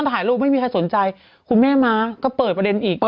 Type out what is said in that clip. สวัสดีค่ะข้าวใส่ไข่สดใหม่เยอะสวัสดีค่ะ